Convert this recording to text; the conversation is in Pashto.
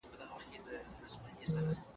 تورن کسان د پولیسو لخوا ونیول سول.